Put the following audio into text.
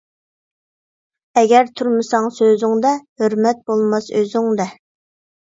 ئەگەر تۇرمىساڭ سۆزۈڭدە، ھۆرمەت بولماس ئۆزۈڭدە.